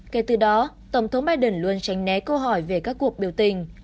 kể từ đó tổng thống biden luôn tránh né câu hỏi về các cuộc biểu tình